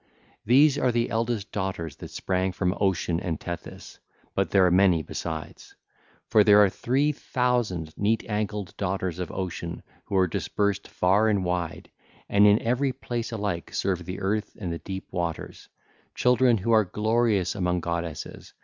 These are the eldest daughters that sprang from Ocean and Tethys; but there are many besides. For there are three thousand neat ankled daughters of Ocean who are dispersed far and wide, and in every place alike serve the earth and the deep waters, children who are glorious among goddesses.